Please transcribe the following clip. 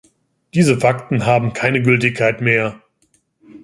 Diese Fakten haben keine Gültigkeit mehr.